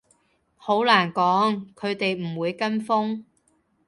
好難講，佢哋唔會跟風